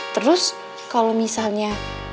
terus kalo misalnya